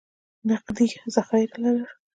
نغدي ذخایر یې لرل.